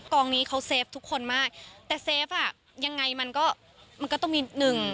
กองนี้เขาเซฟทุกคนมากแต่เซฟอ่ะยังไงมันก็มันก็ต้องมีหนึ่ง